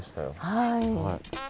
はい。